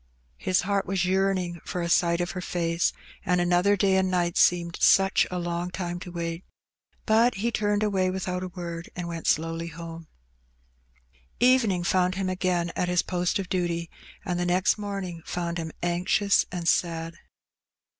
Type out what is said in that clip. His heart was yearning for a sight of her face, and another day and night seemed such a long time to wait; but he turned away without a word, and went slowly homa Evening found him again at his post of duty, and the next morning found him anxious and sad.